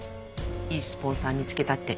いいスポンサー見つけたって。